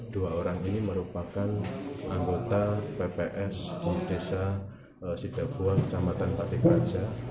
dua orang ini merupakan anggota pps di desa sida bawa kecamatan patik raja